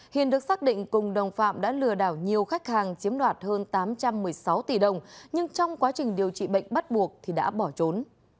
hiền được xác định cùng đồng phạm đã lừa đảo nhiều khách hàng chiếm đoạt hơn tám trăm một mươi sáu tỷ đồng nhưng trong quá trình điều trị bệnh bắt buộc thì đã bỏ trốn